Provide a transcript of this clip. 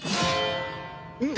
んだ